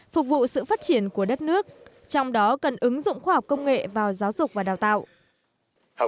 phục vụ sự phát triển của đất nước trong đó cần ứng dụng khoa học công nghệ vào giáo dục và đào tạo